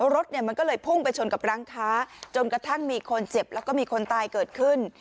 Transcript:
รถเนี่ยมันก็เลยพุ่งไปชนกับร้านค้าจนกระทั่งมีคนเจ็บแล้วก็มีคนตายเกิดขึ้น